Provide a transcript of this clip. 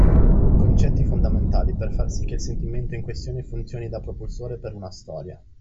Concetti fondamentali per far sì che il sentimento in questione funzioni da propulsore per una storia.